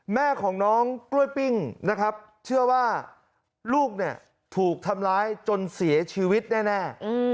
แม่ของน้องกล้วยปิ้งนะครับเชื่อว่าลูกเนี่ยถูกทำร้ายจนเสียชีวิตแน่